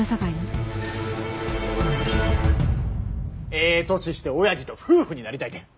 ええ年しておやじと夫婦になりたいて。